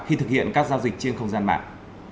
khi thực hiện các giao dịch trên không gian mạng